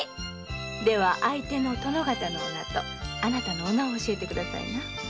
では相手の殿方の御名とあなたの御名を教えてくださいな。